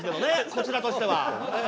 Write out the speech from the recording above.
こちらとしてはええ。